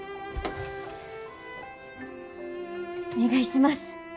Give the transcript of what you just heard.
お願いします。